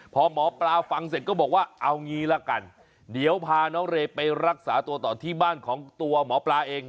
พอหมอปลาฟังเสร็จก็บอกว่าเอางี้ละกันเดี๋ยวพาน้องเรย์ไปรักษาตัวต่อที่บ้านของตัวหมอปลาเอง